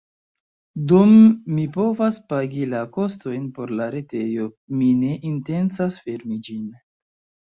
Dum mi povas pagi la kostojn por la retejo mi ne intencas fermi ĝin.